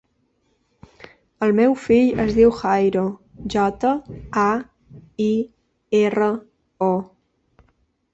El meu fill es diu Jairo: jota, a, i, erra, o.